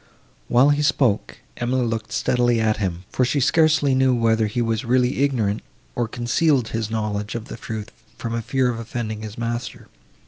While he spoke, Emily looked steadily at him, for she scarcely knew whether he was really ignorant, or concealed his knowledge of the truth from a fear of offending his master.